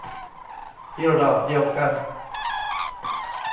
อีหรอบเดียวกัน